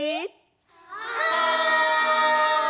はい！